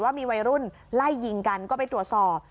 ว่ามีวัยรุ่นไล่ยิงกันก็ไปตรวจสอบ